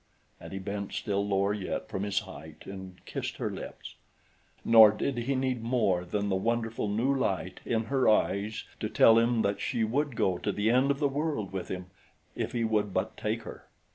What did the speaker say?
And he bent still lower yet from his height and kissed her lips. Nor did he need more than the wonderful new light in her eyes to tell him that she would go to the end of the world with him if he would but take her.